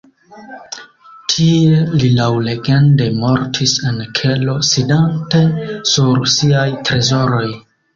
Tie li laŭlegende mortis en kelo sidante sur siaj trezoroj.